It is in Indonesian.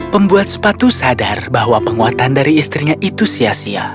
pembuat sepatu sadar bahwa penguatan dari istrinya itu sia sia